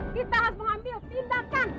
kita harus mengambil tindakan